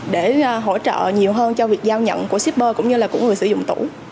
để hỗ trợ nhiều hơn cho việc giao nhận của shipper cũng như là của người sử dụng tủ